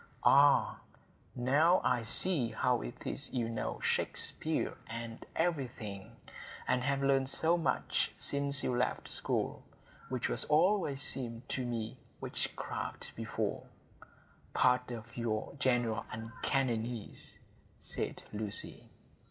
"Ah, now I see how it is you know Shakespeare and everything, and have learned so much since you left school; which always seemed to me witchcraft before,—part of your general uncanniness," said Lucy.